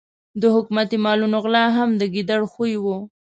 د حکومتي مالونو غلا هم د ګیدړ خوی وو.